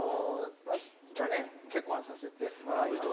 去年結婚させてもらいまして。